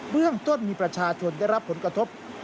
เรื่องต้นมีประชาชนได้รับผลกระทบ